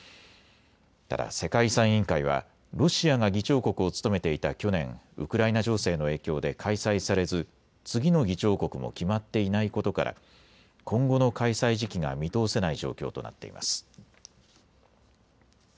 ただ世界遺産委員会はロシアが議長国を務めていた去年、ウクライナ情勢の影響で開催されず次の議長国も決まっていないことから、今後の開催時期が見通せない状況となっています。